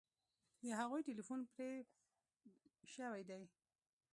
د هغوی ټیلیفون پرې شوی دی